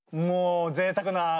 もうぜいたくな＃